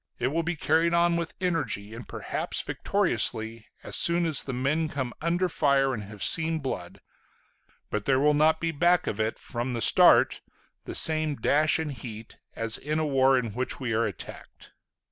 It will be carried on with energy and perhaps victoriously, as soon as the men come under fire and have seen blood; but there will not be back of it, from the start, the same dash and heat as in a war in which we are attacked....